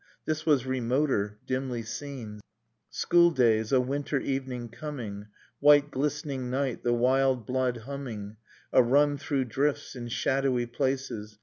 This was remoter, dimly seen — School days, a winter evening coming, White glistening night, the wild blood humming, A run through drifts, in shadowy places.